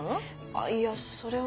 あいやそれは。